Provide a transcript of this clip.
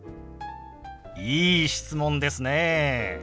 いい質問ですね。